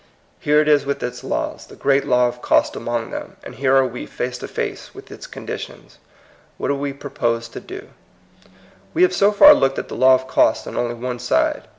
Here it is with its laws, the great law of cost among them ; and here are we face to face with its conditions. What do we propose to do? We have so far looked at the law of cost on only one side.